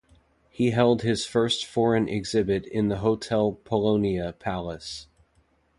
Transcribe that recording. He held his first foreign exhibit in the Hotel Polonia Palace.